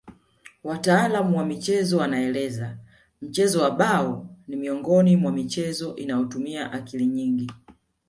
Wataalamu wa michezo wanaeleza mchezo wa bao ni miongoni mwa michezo inayotumia akili nyingi